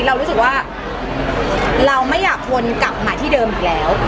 เรารู้สึกว่าเราไม่อยากวนกลับมาที่เดิมอีกแล้ว